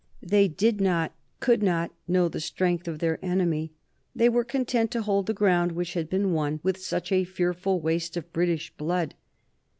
They did not, could not know the strength of their enemy; they were content to hold the ground which had been won with such a fearful waste of British blood.